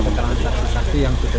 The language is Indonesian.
keterangkanan yang sudah